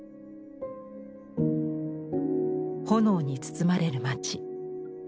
炎に包まれる町。